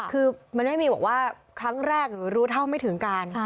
คือมันไม่มีบอกว่าครั้งแรกหรือรู้เท่าไม่ถึงการ